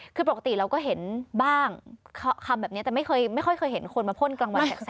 คือปกติเราก็เห็นบ้างคำแบบนี้แต่ไม่เคยไม่ค่อยเคยเห็นคนมาพ่นกลางวันแสก